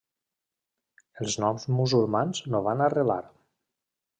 Els noms musulmans no van arrelar.